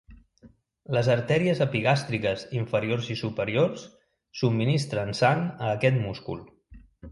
Les artèries epigàstriques inferiors i superiors subministren sang a aquest múscul.